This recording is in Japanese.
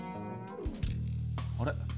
あれ？